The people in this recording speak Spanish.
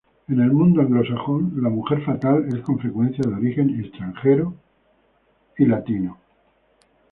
En el mundo anglosajón, la mujer fatal es con frecuencia de origen extranjero.